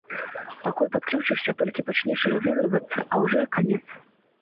Пакуль падключышся, толькі пачнеш разыгрывацца, а ўжо і канец.